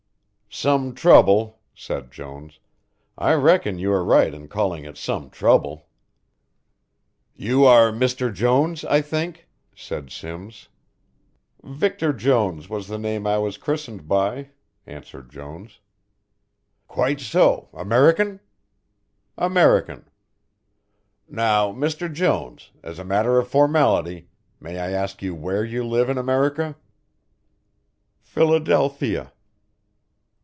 "Some trouble," said Jones; "I reckon you are right in calling it some trouble." "You are Mr. Jones, I think," said Simms. "Victor Jones was the name I was christened by," answered Jones. "Quite so, American?" "American." "Now, Mr. Jones, as a matter of formality, may I ask where you live in America?" "Philadelphia."